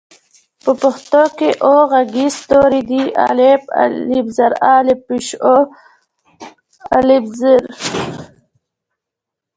په پښتو کې اووه غږيز توري دي: اَ، اِ، اُ، اٗ، اٰ، اٖ، أ.